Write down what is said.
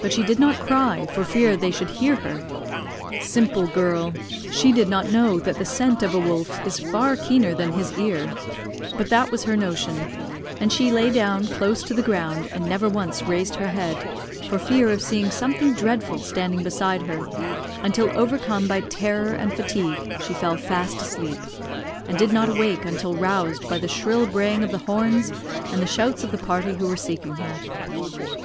But she did not cry, for fear they should hear her. Simple girl! she did not know that the scent of a wolf is far keener that his ear, but that was her notion, and she lay down close to the ground and never once raised her head, for fear of seeing something dreadful standing beside her, until overcome by terror and fatigue she fell fast asleep, and did not awake until roused by the shrill braying of the horns and the shouts of the party who were seeking her."